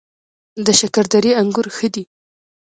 د شکردرې انګور ښه دي